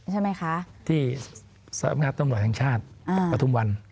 ใช่ที่สรรพงศาสตร์ต้นหล่อแห่งชาติประทุมวัน